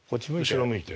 後ろ向いて。